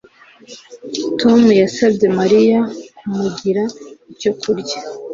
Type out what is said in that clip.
Tom yasabye Mariya kumugira icyo kurya